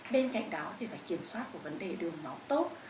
bên cạnh đó thì phải kiểm soát một vấn đề đường máu tốt